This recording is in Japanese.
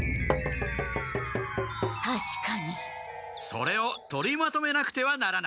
それを取りまとめなくてはならない。